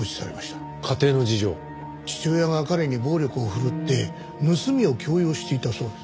父親が彼に暴力を振るって盗みを強要していたそうです。